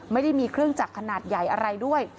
ไม่ได้มีเครื่องจักรขนาดใหญ่อะไรด้วย